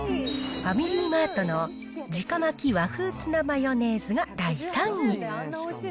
ファミリーマートの直巻和風ツナマヨネーズが第３位。